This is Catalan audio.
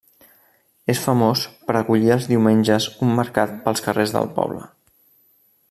És famós per acollir els diumenges un mercat pels carrers del poble.